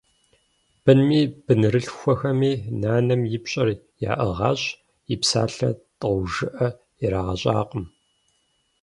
Бынми бынырылъхухэми нанэм и пщӀэр яӀыгъащ, и псалъэ тӀэужыӀэ ирагъэщӀакъым.